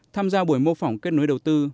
tham gia buổi mô phỏng kết nối đầu tư